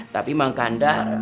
tapi mak kandar